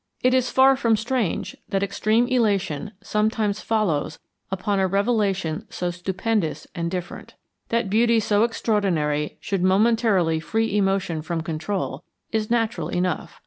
It is far from strange that extreme elation sometimes follows upon a revelation so stupendous and different. That beauty so extraordinary should momentarily free emotion from control is natural enough.